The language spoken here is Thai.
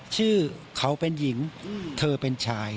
ชื่อเขาเป็นหญิงเธอเป็นชาย